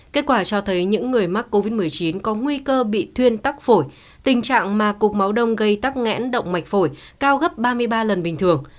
kết quả cho thấy những người mắc covid một mươi chín có nguy cơ bị thuyên tắc phổi tình trạng mà cục máu đông gây tắc nghẽn động mạch phổi cao gấp ba mươi ba lần bình thường